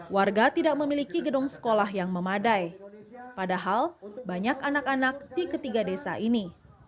warga tidak memiliki gedung sekolah yang memadai padahal banyak anak anak di ketiga desa ini